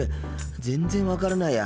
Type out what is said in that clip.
全然分からないや。